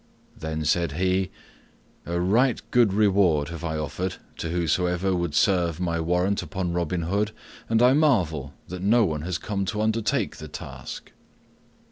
Then said he, "A right good reward have I offered to whosoever would serve my warrant upon Robin Hood, and I marvel that no one has come to undertake the task."